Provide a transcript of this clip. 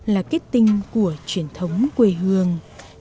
là kết tinh của truyền thống quê hương